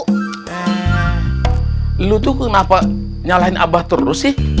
lu tuh kenapa nyalahin abah terus sih